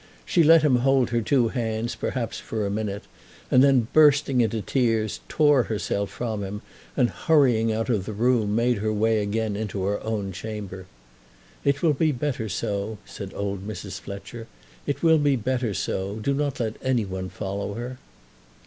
She let him hold her two hands, perhaps for a minute, and then, bursting into tears, tore herself from him, and, hurrying out of the room, made her way again into her own chamber. "It will be better so," said old Mrs. Fletcher. "It will be better so. Do not let any one follow her."